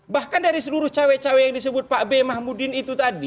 bahkan dari seluruh cawe cawe yang disebut pak b mahmudin itu tadi